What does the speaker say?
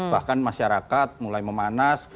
bahkan masyarakat mulai memanas